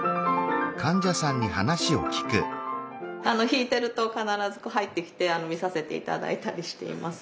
弾いてると必ず入って来て見させて頂いたりしています。